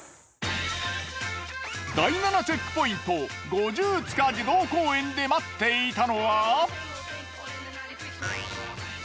第７チェックポイント五十塚児童公園で待っていたのは。